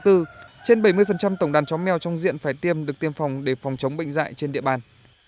trên bảy mươi tổng đàn chó mèo trong diện phải tiêm được tiêm phòng để phòng chống bệnh dạy trên địa bàn